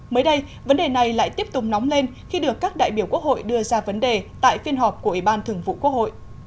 mới đây vấn đề này lại tiếp tục nóng lên khi được các đại biểu quốc hội đưa ra vấn đề tại phiên họp của ủy ban thường vụ quốc hội